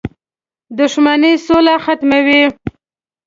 • دښمني سوله ختموي.